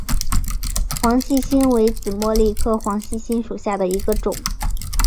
黄细心为紫茉莉科黄细心属下的一个种。